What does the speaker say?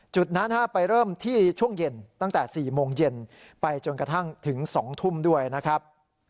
จุดนั้นไปเริ่มที่ช่วงเย็นตั้งแต่๔โมงเย็นไปจนกระทั่งถึง๒ทุ่มด้วยนะครับ